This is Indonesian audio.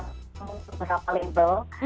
untuk berapa label